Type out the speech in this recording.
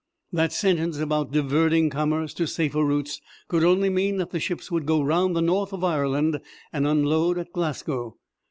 That sentence about diverting commerce to safer routes could only mean that the ships would go round the North of Ireland and unload at Glasgow.